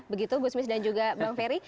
begitu gusmis dan juga bang ferry